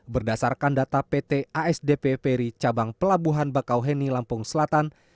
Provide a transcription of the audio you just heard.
berdasarkan data pt asdp peri cabang pelabuhan bakauheni lampung selatan